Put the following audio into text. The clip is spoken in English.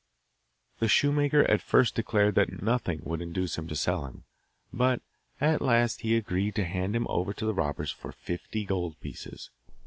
The shoemaker at first declared that nothing would induce him to sell him, but at last he agreed to hand him over to the robbers for fifty gold pieces.